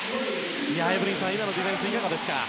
エブリンさん、今のディフェンスいかがでしたか。